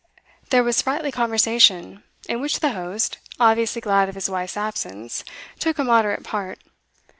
There was sprightly conversation, in which the host, obviously glad of his wife's absence, took a moderate part.